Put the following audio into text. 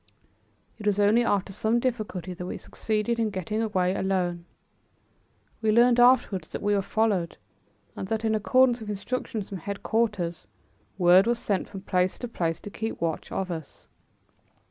It was only after some difficulty that we succeeded in getting away alone. We learned afterwards that we were followed, and that, in accordance with instructions from headquarters, word was sent from place to place to keep watch of us.